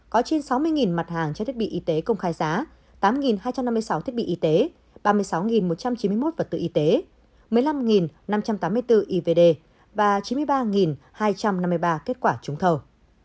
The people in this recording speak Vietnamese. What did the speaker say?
có trên sáu mươi mặt hàng trang thiết bị y tế công khai giá tám hai trăm năm mươi sáu thiết bị y tế ba mươi sáu một trăm chín mươi một vật tư y tế một mươi năm năm trăm tám mươi bốn ivd và chín mươi ba hai trăm năm mươi ba kết quả trúng thầu